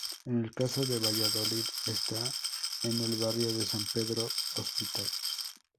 En el caso de Valladolid está en el barrio de San Pedro-Hospital.